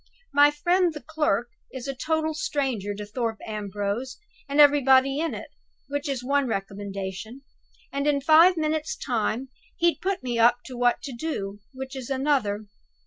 My friend the clerk is a total stranger to Thorpe Ambrose and everybody in it (which is one recommendation); and in five minutes' time he'd put me up to what to do (which is another).